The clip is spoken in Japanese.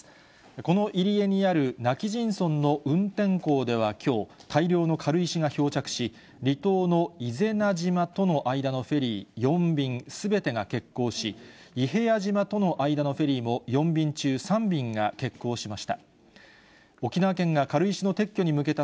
この入り江にある今帰仁村の運天港ではきょう、大量の軽石が漂着し、離島の伊是名島との間のフェリー４便、すべてが欠航し、伊平屋島との間のフェリーも４便中３便が欠航しました。